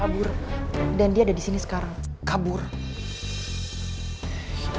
menangae sorin lu kali itu